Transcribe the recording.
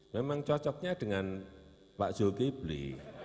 memang cocoknya dengan pak zulkifli